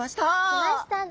来ましたね。